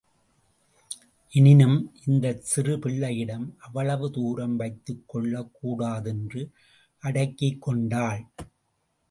எனினும் இந்தச் சிறு பிள்ளையிடம் அவ்வளவு தூரம் வைத்துக் கொள்ளக் கூடாது என்று அடக்கிக் கொண்டாள்.